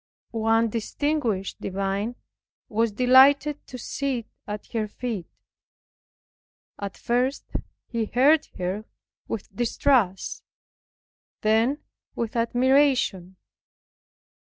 One distinguished divine was delighted to sit at her feet. At first he heard her with distrust; then with admiration.